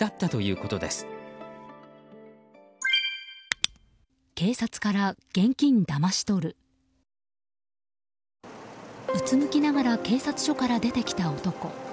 うつむきながら警察署を出てきた男。